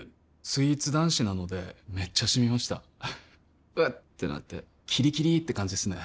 スイーツ男子なのでめっちゃシミました「うっ」ってなってキリキリって感じですね